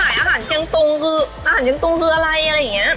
อาหารเชียงตุงคืออาหารเชียงตุงคืออะไรอะไรอย่างนี้